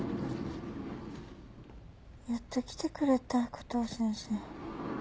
やっと来てくれたコトー先生。